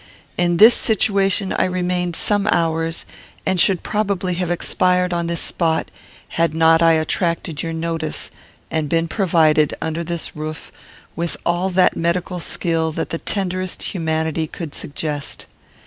In this situation I remained some hours, and should probably have expired on this spot, had not I attracted your notice, and been provided, under this roof, with all that medical skill, that the tenderest humanity could suggest.